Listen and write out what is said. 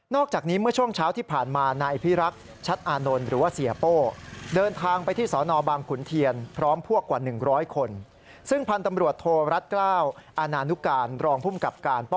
นอกจากนี้เมื่อช่วงเช้าที่ผ่านมา